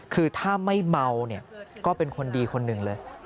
คือถ้าไม่เมาเนี่ยก็เป็นคนดีคนหนึ่งเลย